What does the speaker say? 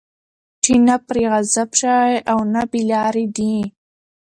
چې نه پرې غضب شوی، او نه بې لاري دي